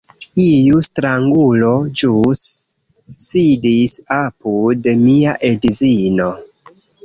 Iu strangulo ĵus sidis apud mia edzino